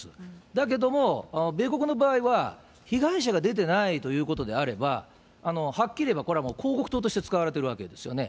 だけども、米国の場合は被害者が出てないということであれば、はっきり言えば、これはもう広告塔として使われているわけですよね。